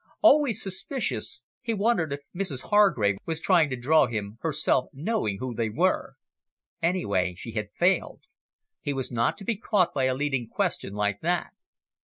Always suspicious, he wondered if Mrs Hargrave was trying to draw him, herself knowing who they were. Anyway, she had failed. He was not to be caught by a leading question like that.